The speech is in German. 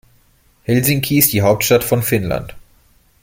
Helsinki ist die Hauptstadt von Finnland.